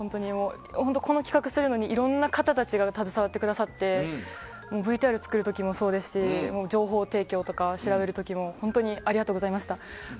本当に、この企画をするのにいろんな方たちが携わってくださってＶＴＲ作る時もそうですし情報提供とか調べる時も本当にありがとうございました。